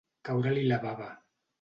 Caure-li la bava.